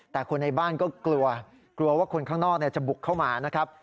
แต่คนในบ้านก็กลัวกลัวว่าคนข้างนอกจะบุกเข้ามานะครับ